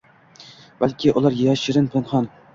Balki ular yashirin, pinhon